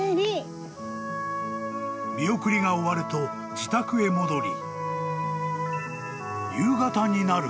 ［見送りが終わると自宅へ戻り］